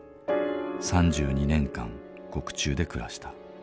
３２年間獄中で暮らした。